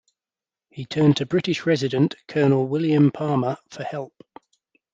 He turned to British resident Colonel William Palmer for help.